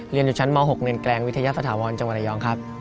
เรียนอยู่ชั้นม๖เมืองแกรงวิทยาศาสตราวรณ์จังหวัดอยองครับ